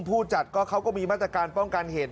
ผู้จัดก็มีมาสตกรารป้องกันเหตุ